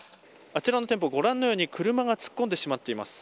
あちらの店舗、ご覧のように車が突っ込んでしまっています。